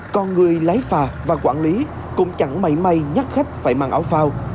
còn người lái phà và quản lý cũng chẳng may may nhắc khách phải mang áo phao